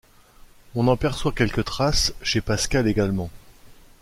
On en perçoit quelques traces chez Pascal également.